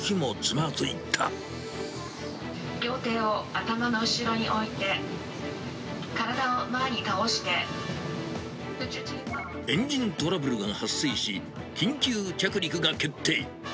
両手を頭の後ろに置いて、エンジントラブルが発生し、緊急着陸が決定。